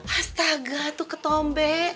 astaga tuh ketombe